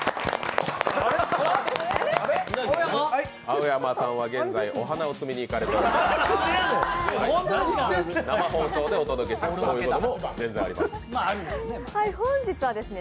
青山さんは現在、お花を摘みに行かれています。